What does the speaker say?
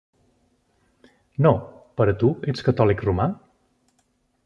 No, però tu ets catòlic romà?